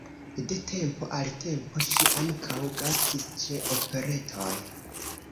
De tempo al tempo ŝi ankaŭ gastis ĉe operetoj.